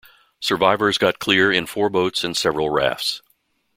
Survivors got clear in four boats and several rafts.